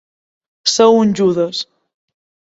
Ser un Judes.